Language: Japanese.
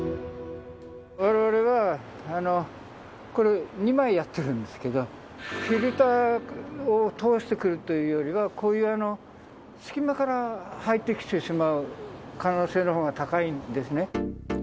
われわれは、これ２枚やってるんですけど、フィルターを通してくるというよりも、こういう隙間から入ってきてしまう可能性のほうが高いんですね。